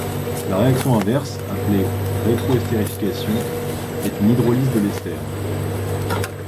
La réaction inverse, appelée rétro-estérification est une hydrolyse de l'ester.